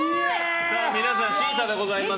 皆さん、審査でございます。